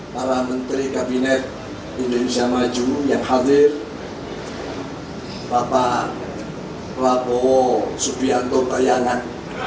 para menteri kabinet indonesia maju yang hadir bapak prabowo subianto bayangan